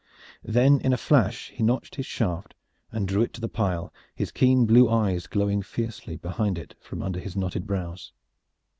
Then in a flash he notched his shaft and drew it to the pile, his keen blue eyes glowing fiercely behind it from under his knotted brows.